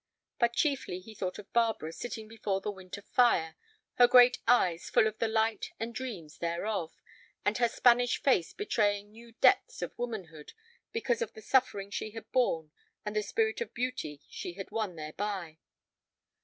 But chiefly he thought of Barbara sitting before that winter fire, her great eyes full of the light and dreams thereof, and her Spanish face betraying new deeps of womanhood because of the suffering she had borne and the spirit of beauty she had won thereby.